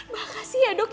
makasih ya dok